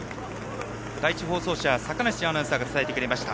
第１放送車の坂梨アナウンサーが伝えてくれました。